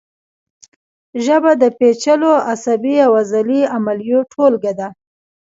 ژبه د پیچلو عصبي او عضلي عملیو ټولګه ده